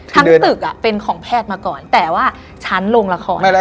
ทั้งตึกเป็นของแพทย์มาก่อนแต่ว่าชั้นลงละคร